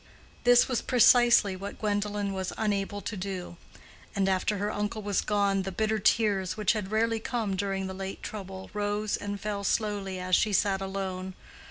This was precisely what Gwendolen was unable to do; and after her uncle was gone, the bitter tears, which had rarely come during the late trouble, rose and fell slowly as she sat alone.